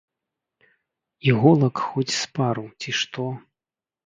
Іголак хоць з пару, ці што?